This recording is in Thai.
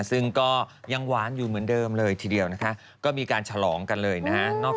ซึ่งก็ยังหวานอยู่เหมือนเดิมเลยทีเดียวนะคะก็มีการฉลองกันเลยนะฮะ